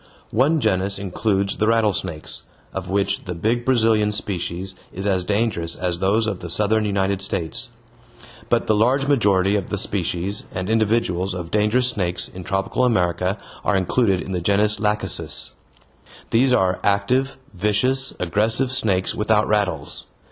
One genus includes the rattlesnakes, of which the big Brazilian species is as dangerous as those of the southern United States. But the large majority of the species and individuals of dangerous snakes in tropical America are included in the genus lachecis. These are active, vicious, aggressive snakes without rattles.